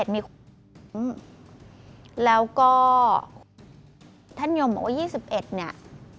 มีคุ้มแล้วก็ท่านยมบอกว่า๒๑เนี่ย